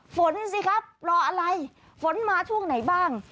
ฝนสิครับรออะไรฝนมาช่วงไหนบ้าง